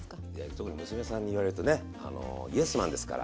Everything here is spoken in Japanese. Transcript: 特に娘さんに言われるとねあのイエスマンですから。